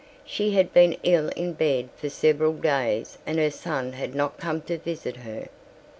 She had been ill in bed for several days and her son had not come to visit her.